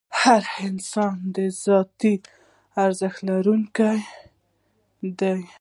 هر انسان د ذاتي ارزښت لرونکی دی.